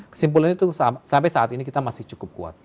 kesimpulan itu sampai saat ini kita masih cukup kuat